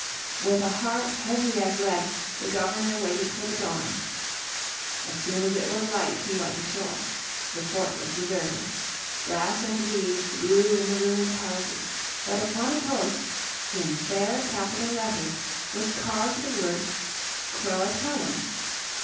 With a heart heavy as lead the Governor waited for the dawn. As soon as it was light he went ashore. The fort was deserted. Grass and weeds grew in the ruined houses. But upon a post "in fair capital letters" was carved the word "Croatoan."